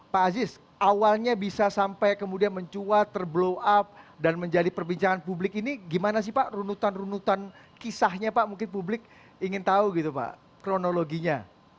pak aziz awalnya bisa sampai kemudian mencuat terblow up dan menjadi perbincangan publik ini gimana sih pak runutan runutan kisahnya pak mungkin publik ingin tahu gitu pak kronologinya